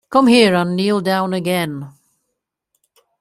Come here and kneel down again!